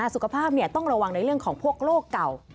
สุขภาพต้องระวังในเรื่องของพวกโรคเก่า